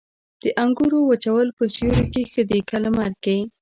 د انګورو وچول په سیوري کې ښه دي که لمر کې؟